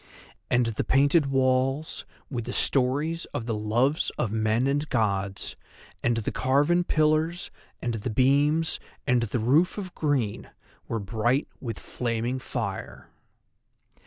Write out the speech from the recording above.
And the painted walls with the stories of the loves of men and gods, and the carven pillars and the beams, and the roof of green, were bright with flaming fire!